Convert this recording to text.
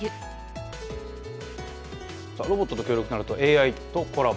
ロボットと協力となると「ＡＩとコラボ」。